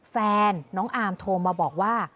แฟนน้องอาร์มโทรมาบอกว่า